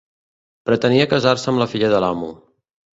Pretenia casar-se amb la filla de l'amo.